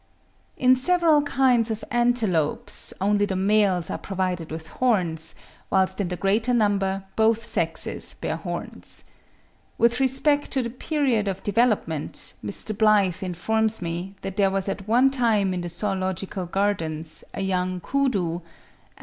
In several kinds of antelopes, only the males are provided with horns, whilst in the greater number both sexes bear horns. With respect to the period of development, Mr. Blyth informs me that there was at one time in the Zoological Gardens a young koodoo (Ant.